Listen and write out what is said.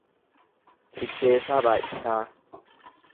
Iddeessaa Baay’isaa